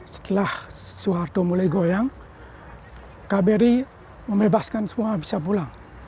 setelah soeharto mulai goyang kbri membebaskan semua bisa pulang